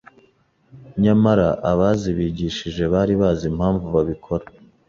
nyamara abazibigishije bari bazi impamvu babikora,